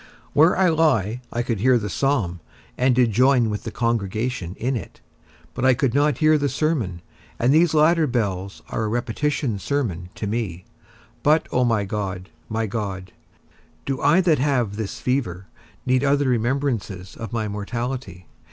Where I lie I could hear the psalm, and did join with the congregation in it; but I could not hear the sermon, and these latter bells are a repetition sermon to me. But, O my God, my God, do I that have this fever need other remembrances of my mortality?